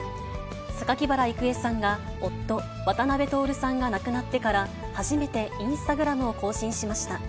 榊原郁恵さんが夫、渡辺徹さんが亡くなってから初めて、インスタグラムを更新しました。